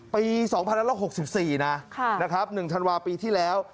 ปี๒๑๖๔นะ๑ธันวาปีที่แล้ว